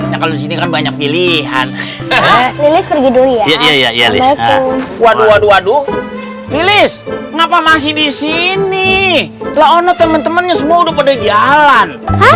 ya ya ya ya waduh waduh waduh lili ngapa masih disini temen temennya semua udah pada jalan